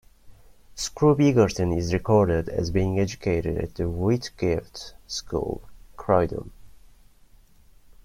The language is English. Scroop Egerton is recorded as being educated at the Whitgift School, Croydon.